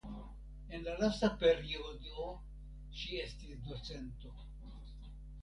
En la lasta periodo ŝi estis docento.